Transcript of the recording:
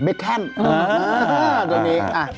เร็ดแคมเออตัวนี้อ่า